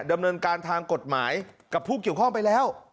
ดำเนินการทางกฎหมายกับผู้เกี่ยวข้องไปแล้ว